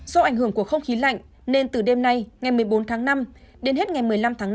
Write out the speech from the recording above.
do ảnh hưởng của không khí lạnh nên từ đêm nay ngày một mươi bốn tháng năm đến hết ngày một mươi năm tháng năm